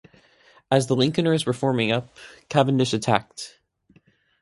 As the Lincolners were forming up, Cavendish attacked.